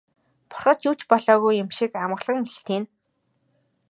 Бурхад юу ч болоогүй юм шиг амгалан мэлтийнэ.